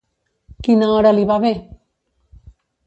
Quina hora li va bé?